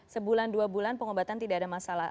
sebulan dua bulan pengobatan tidak ada masalah